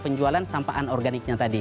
penjualan sampahan organiknya tadi